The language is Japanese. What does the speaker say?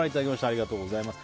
ありがとうございます。